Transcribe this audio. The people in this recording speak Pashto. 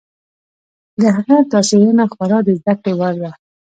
د هغه دا څېړنه خورا د زده کړې وړ ده.